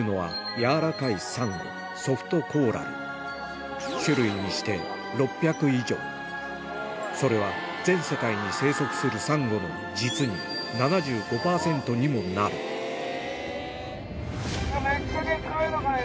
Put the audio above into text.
やわらかいサンゴ種類にして６００以上それは全世界に生息するサンゴの実に７５％にもなるあそこに。